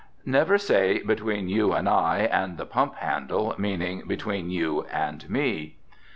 Never say "Between you and I and the pump handle," meaning "Between you and me."